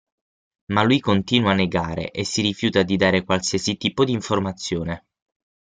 Ma lui continua a negare e si rifiuta di dare qualsiasi tipo di informazione.